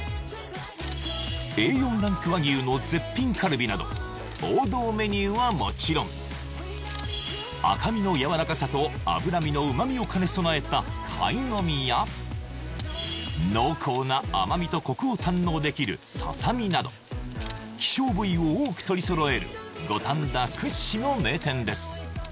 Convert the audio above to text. Ａ４ランク和牛の絶品カルビなど王道メニューはもちろん赤身の軟らかさと脂身の旨味を兼ね備えたカイノミや濃厚な甘味とコクを堪能できるササミなど希少部位を多く取り揃える五反田屈指の名店です